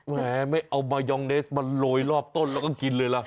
แหมไม่เอามายองเนสมาโรยรอบต้นแล้วก็กินเลยล่ะ